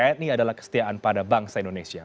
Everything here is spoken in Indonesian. dan tni adalah kesetiaan pada banksa indonesia